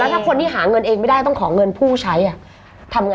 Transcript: ถ้าคนที่หาเงินเองไม่ได้ต้องขอเงินผู้ใช้ทำไง